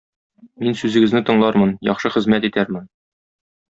Мин сүзегезне тыңлармын, яхшы хезмәт итәрмен.